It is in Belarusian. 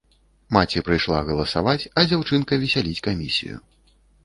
Маці прыйшла галасаваць, а дзяўчынка весяліць камісію.